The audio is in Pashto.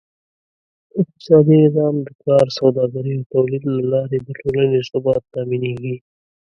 اقتصادي نظام: د کار، سوداګرۍ او تولید له لارې د ټولنې ثبات تأمینېږي.